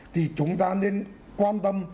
thì chúng ta nên quan tâm